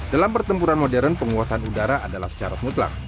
dalam pertempuran modern penguasaan udara adalah secara mutlak